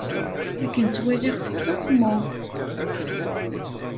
Akken ttwaliɣ tettasmeḍ.